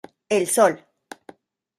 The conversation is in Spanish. El Sol